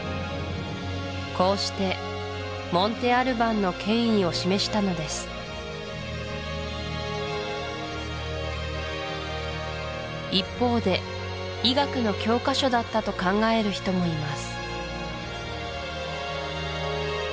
こうしてモンテ・アルバンの権威を示したのです一方で医学の教科書だったと考える人もいます